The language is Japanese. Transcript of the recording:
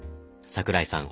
桜井さん